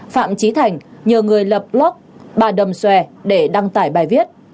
phạm trí thành nhờ người lập block bà đầm xòe để đăng tải bài viết